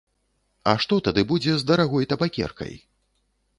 А што тады будзе з дарагой табакеркай?